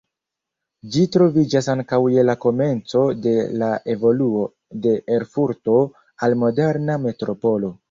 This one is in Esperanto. Ĝi troviĝas ankaŭ je la komenco de la evoluo de Erfurto al moderna metropolo.